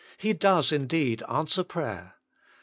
He does indeed answer prayer.